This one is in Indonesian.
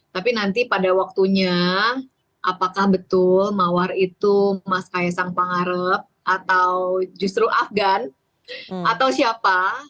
tapi nanti pada waktunya apakah betul mawar itu mas kaisang pangarep atau justru afgan atau siapa